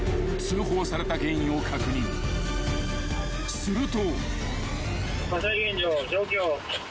［すると］